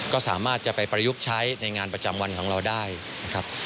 ก็สามารถจะไปประยุกต์ใช้ในงานประจำวันของเราได้นะครับ